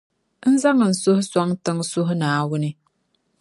n zaŋ n suhu sɔŋ tiŋa n-suhi Naawuni.